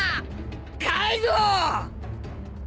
カイドウ！